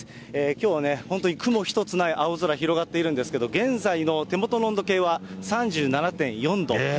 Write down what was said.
きょうはね、本当に雲一つない青空広がっているんですけど、現在の手元の温度計は３７．４度。